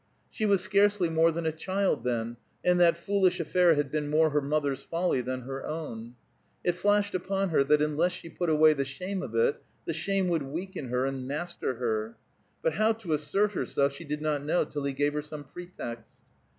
She was scarcely more than a child, then, and that foolish affair had been more her mother's folly than her own. It flashed upon her that unless she put away the shame of it, the shame would weaken her and master her. But how to assert herself she did not know till he gave her some pretext.